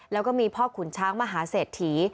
แล้วก็มีพ่อขุนช้างมหาเศรษฐี